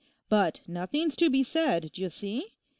But nothing's to be said, d'ye see?